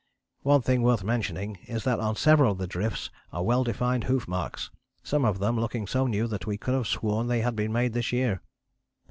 One thing worth mentioning is that on several of the drifts are well defined hoof marks, some of them looking so new that we could have sworn that they had been made this year.